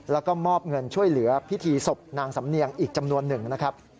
แล้วก็มอบเงินช่วยเหลือพิธีศพนางสำเนียงอีกจำนวนหนึ่งนะครับ